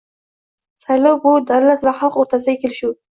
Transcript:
- Saylov - bu davlat va xalq o'rtasidagi kelishuv